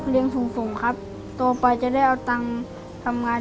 เปลี่ยนเพลงเพลงเก่งของคุณและข้ามผิดได้๑คำ